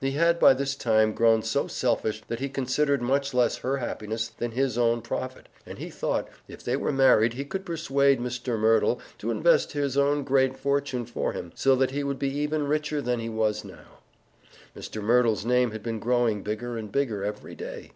He had by this time grown so selfish that he considered much less her happiness than his own profit, and he thought if they were married he could persuade Mr. Merdle to invest his own great fortune for him, so that he would be even richer than he was now. Mr. Merdle's name had been growing bigger and bigger every day.